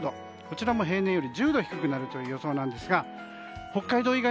こちらも平年より１０度低くなるという予想なんですが北海道